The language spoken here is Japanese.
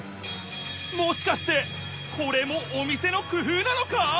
もしかしてこれもお店のくふうなのか！？